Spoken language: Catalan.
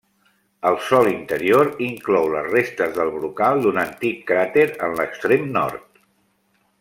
El sòl interior inclou les restes del brocal d'un antic cràter en l'extrem nord.